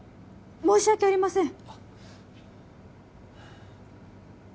申し訳ありません